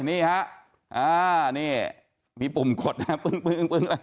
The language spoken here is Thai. นี่ฮะมีปุ่มกดนะปึ้ง